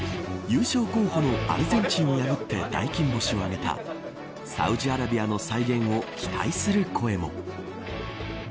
優勝候補のアルゼンチンを破って大金星を挙げたサウジアラビアの再現を期待する声も。